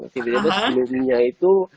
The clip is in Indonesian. tidur jebes sebelumnya itu